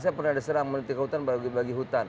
saya pernah ada serangan menteri kehutanan berbagi bagi hutan